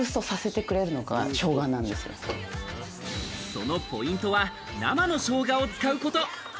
そのポイントは生のショウガを使うこと。